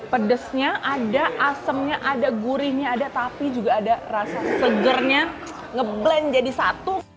pedesnya ada asemnya ada gurihnya ada tapi juga ada rasa segernya ngeblend jadi satu